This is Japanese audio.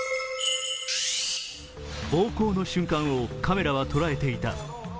暴行の瞬間をカメラは捉えていた。